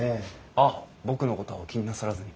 あっ僕のことはお気になさらずに。